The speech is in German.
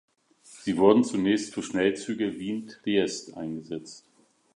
Sie wurden zunächst für Schnellzüge Wien–Triest eingesetzt.